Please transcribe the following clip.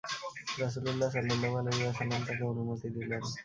রাসূলুল্লাহ সাল্লাল্লাহু আলাইহি ওয়াসাল্লাম তাঁকে অনুমতি দিলেন।